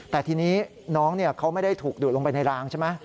แต่ทีนี้น้องเขาไม่ได้ถูกดูดลงไปในรางใช่ไหม